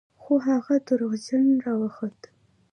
خو هغه دروغجن راوخوت.